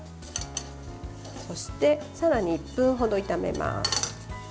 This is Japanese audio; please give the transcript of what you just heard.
そして、さらに１分程炒めます。